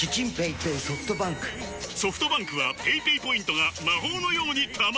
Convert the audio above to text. ソフトバンクはペイペイポイントが魔法のように貯まる！